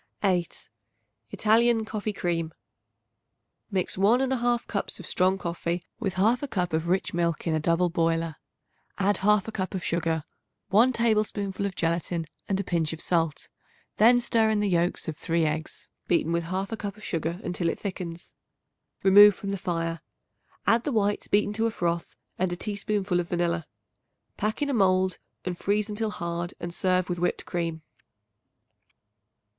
8. Italian Coffee Cream. Mix 1 1/2 cups of strong coffee with 1/2 cup of rich milk in a double boiler; add 1/2 cup of sugar, 1 tablespoonful of gelatin and a pinch of salt. Then stir in the yolks of 3 eggs beaten with 1/2 cup of sugar until it thickens. Remove from the fire; add the whites beaten to a froth and a teaspoonful of vanilla. Pack in a mold and freeze until hard and serve with whipped cream.